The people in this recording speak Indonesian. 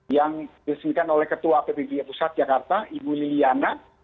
yang disesuaikan oleh ketua app bipa pusat jakarta ibu liliana